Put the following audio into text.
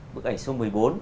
bức ảnh số một mươi bốn